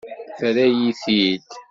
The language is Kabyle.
Terra-yi-t-id.